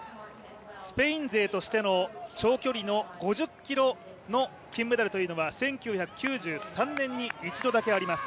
スペイン勢としての長距離の５０ｋｍの金メダルというのが１９９３年に一度だけあります。